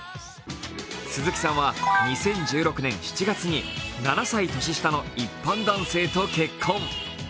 鈴木さんは２０１６年７月に７歳年下の一般男性と結婚。